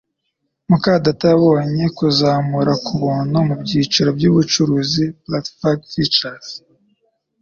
muka data yabonye kuzamura kubuntu mubyiciro byubucuruzi. (patgfisher)